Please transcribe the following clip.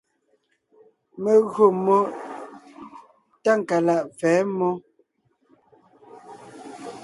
Mé gÿo mmó Tákalaʼ pfɛ̌ mmó.